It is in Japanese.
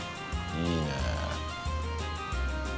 いいねえ。